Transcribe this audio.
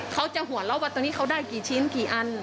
เขาจะหัวเราะว่าตรงนี้เขาได้กี่ชิ้นกี่อัน